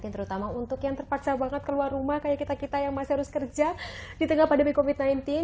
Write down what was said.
terutama untuk yang terpaksa banget keluar rumah kayak kita kita yang masih harus kerja di tengah pandemi covid sembilan belas